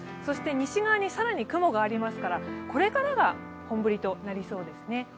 西側に更に雲がありますから、これからが本降りとなりそうですね。